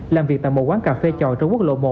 làm việc tại một quán cà phê chòi trong quốc lộ một